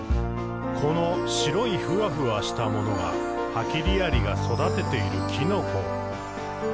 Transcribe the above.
「この白いふわふわしたものがハキリアリが育てているきのこ。」